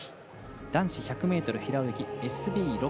男子１００平泳ぎＳＢ６。